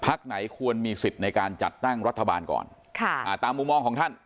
ไหนควรมีสิทธิ์ในการจัดตั้งรัฐบาลก่อนค่ะอ่าตามมุมมองของท่าน